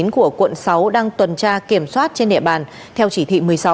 của quận sáu đang tuần tra kiểm soát trên địa bàn theo chỉ thị một mươi sáu